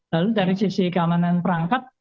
lalu dari sisi keamanan perangkat